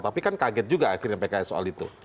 tapi kan kaget juga akhirnya pks soal itu